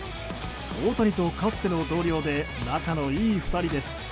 大谷と、かつての同僚で仲のいい２人です。